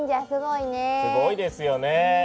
すごいですよねえ。